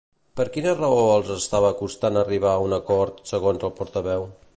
Per quina raó els estava costant arribar a un acord, segons la portaveu?